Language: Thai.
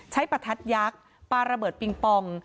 ประทัดยักษ์ปาระเบิดปิงปอง